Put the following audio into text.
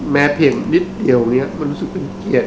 แม้เพียงนิดเดียวนี้มันรู้สึกเป็นเกลียด